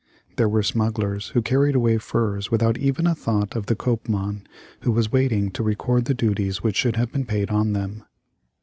There were smugglers who carried away furs without even a thought of the koopman, who was waiting to record the duties which should have been paid on them.